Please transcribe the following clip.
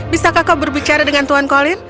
bisakah kau berbicara dengan tuhan colin